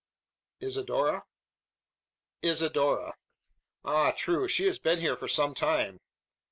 "Isidora?" "Isidora!" "Ah; true! She has been here for some time."